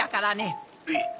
えっ。